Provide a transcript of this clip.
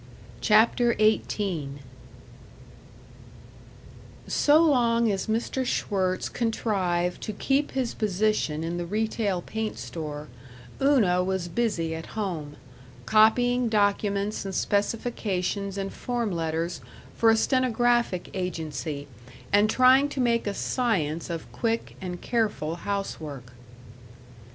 CHAPTER XVIII So long as Mr. Schwirtz contrived to keep his position in the retail paint store, Una was busy at home, copying documents and specifications and form letters for a stenographic agency and trying to make a science of quick and careful housework.